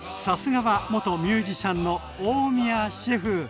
さすがは元ミュージシャンの大宮シェフ。